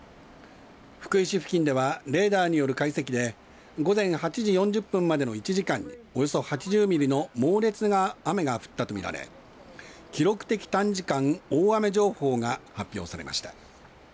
福井市付近ではレーダーによる解析で午前８時４０分までの１時間におよそ８０ミリの猛烈な雨が降ったと見られ記録的短時間大雨情報が発表されました。